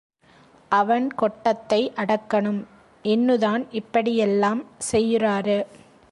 அவன் கொட்டத்தை அடக்கணும் இன்னுதான் இப்படியெல்லாம் செய்யுறாரு.